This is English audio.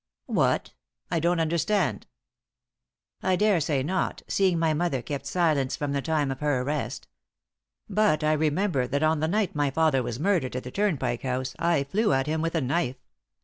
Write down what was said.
"What? I don't understand!" "I daresay not, seeing my mother kept silence from the time of her arrest. But I remember that on the night my father was murdered at the Turnpike House I flew at him with a knife.